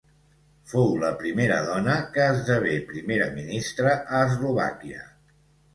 Fou la primera dona que esdevé primera ministra a Eslovàquia.